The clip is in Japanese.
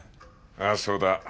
ああそうだ。